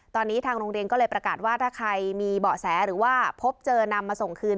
ตอนนี้ทางโรงเรียนก็เลยประกาศว่าถ้าใครมีเบาะแสหรือว่าพบเจอนำมาส่งคืน